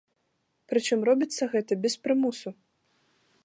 Прычым робіцца гэта без прымусу.